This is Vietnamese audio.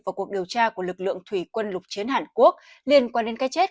vào cuộc điều tra của lực lượng thủy quân lục chiến hàn quốc liên quan đến cái chết